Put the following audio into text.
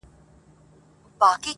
• پر حلال حرام یې مه کيږه راوړه یې,